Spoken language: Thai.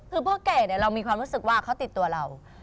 คือพ่อแก่เรามีความรู้สึกว่าเขาติดตัวเรา